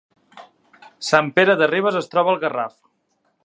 Sant Pere de Ribes es troba al Garraf